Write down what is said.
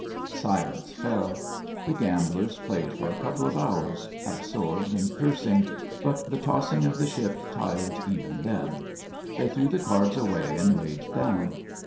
Silence fell.... The gamblers played for a couple of hours, absorbed and cursing, but the tossing of the ship tired even them; they threw the cards away and laid down.